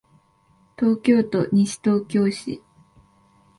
東京都西東京市